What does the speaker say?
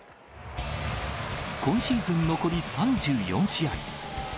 今シーズン残り３４試合。